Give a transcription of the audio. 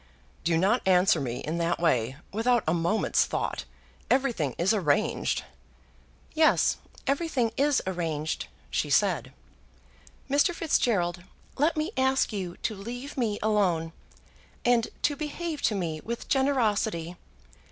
"Do not answer me in that way, without a moment's thought. Everything is arranged " "Yes, everything is arranged," she said. "Mr. Fitzgerald, let me ask you to leave me alone, and to behave to me with generosity.